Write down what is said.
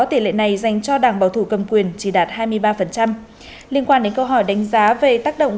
tỷ lệ này dành cho đảng bảo thủ cầm quyền chỉ đạt hai mươi ba liên quan đến câu hỏi đánh giá về tác động